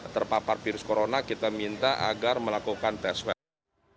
terpapar virus corona kita minta agar melakukan swab test